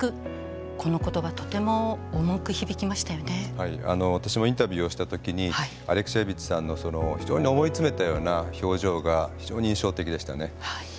はい私もインタビューをした時にアレクシエービッチさんの非常に思い詰めたような表情が非常に印象的でしたね。